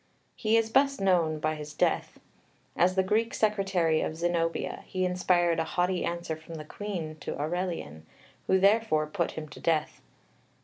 He is best known by his death. As the Greek secretary of Zenobia he inspired a haughty answer from the queen to Aurelian, who therefore put him to death.